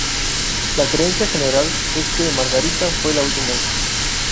La creencia general es que Margarita fue la última hija.